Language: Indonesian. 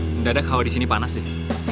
mendadak hawa di sini panas deh